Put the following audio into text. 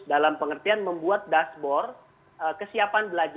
dalam pengertian membuat dashboard